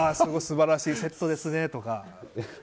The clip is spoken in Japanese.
素晴らしいセットですねとか。